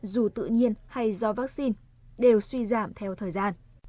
dù tự nhiên hay do vaccine đều suy giảm theo thời gian